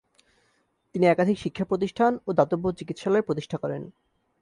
তিনি একাধিক শিক্ষা প্রতিষ্ঠান ও দাতব্য চিকিৎসালয় প্রতিষ্ঠা করেন।